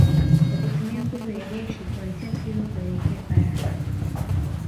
Kwa kutumia nguvu ya jeshi kuanzia Kilwa kuelekea Bara